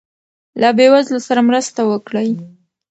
له بې وزلو سره مرسته وکړئ.